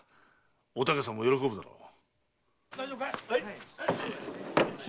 お竹さんも喜ぶだろう。